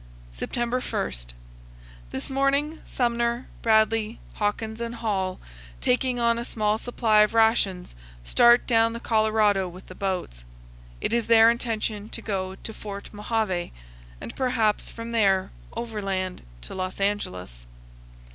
September 1. This morning Sumner, Bradley, Hawkins, and Hall, taking on a small supply of rations, start down the Colorado with the boats. It is their intention to go to Fort Mojave, and perhaps from there overland to Los Angeles.